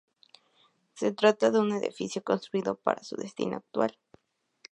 Se trata de un edificio construido para su destino actual.